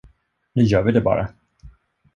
Nu gör vi det bara.